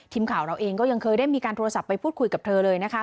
ทีมข่าวเราเองก็ยังเคยได้มีการโทรศัพท์ไปพูดคุยกับเธอเลยนะคะ